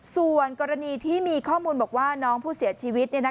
ส่วนกรณีที่มีข้อมูลบอกว่าน้องผู้เสียชีวิต